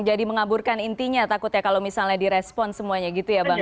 jadi mengaburkan intinya takutnya kalau misalnya direspon semuanya gitu ya bang ya